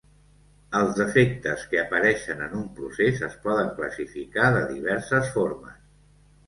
Els defectes que apareixen en un procés es poden classificar de diverses formes.